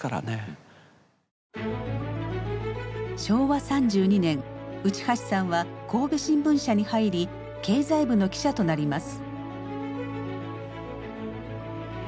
昭和３２年内橋さんは神戸新聞社に入り経済部の記者となります。